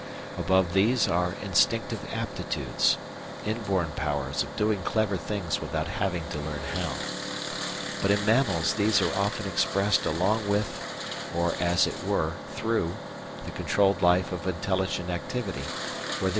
Above these are instinctive aptitudes, inborn powers of doing clever things without having to learn how. But in mammals these are often expressed along with, or as it were through, the controlled life of intelligent activity, where there is more clear cut perceptual influence.